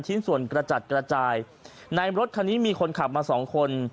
ชิ้นส่วนกระจัดกระจายในรถคันนี้มีคนขับมาสองคน